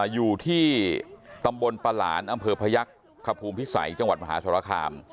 อยู่ที่ตำบลประหลานอำเภอพยักษ์คภูมิพิสัยจังหวัดมหาสรคาม